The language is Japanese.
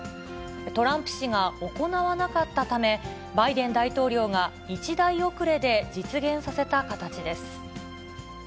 トランプ氏が行わなかったため、バイデン大統領が一代遅れで実現させた形です。